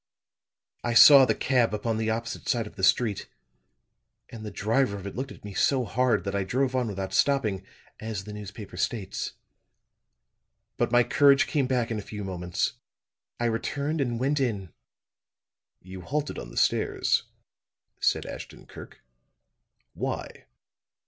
"I saw the cab upon the opposite side of the street; and the driver of it looked at me so hard that I drove on without stopping, as the newspaper states. But my courage came back in a few moments; I returned and went in." "You halted on the stairs," said Ashton Kirk. "Why?"